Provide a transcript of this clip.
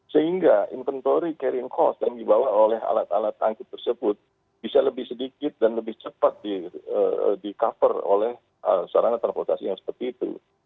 sehingga inventory carrier cost yang dibawa oleh alat alat angkut tersebut bisa lebih sedikit dan lebih cepat di cover oleh sarana transportasi yang seperti itu